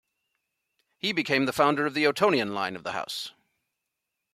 He became the founder of the Ottonian line of the house.